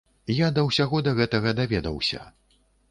Я да ўсяго да гэтага даведаўся.